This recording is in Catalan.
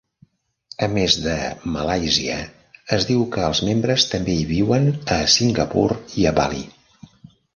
A més de Malàisia, es diu que els membres també hi viuen a Singapur i a Bali.